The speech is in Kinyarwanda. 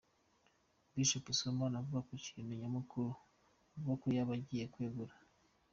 Bishop Sibomana avuga iki ku makuru avuga ko yaba agiye kwegura?.